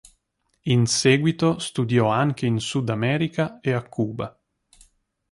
In seguito studiò anche in Sud America e a Cuba.